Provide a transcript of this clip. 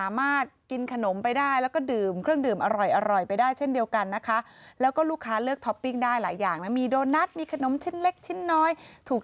ไอ้ที่เขาขูดเนี่ยปกติจะเป็นเนื้อสัตว์ที่หมุน